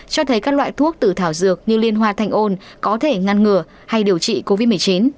cho thấy các loại thuốc từ thảo dược như liên hoa thanh ôn có thể ngăn ngừa hay điều trị covid một mươi chín